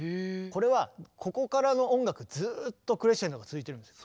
これはここからの音楽ずっとクレッシェンドが続いてるんです。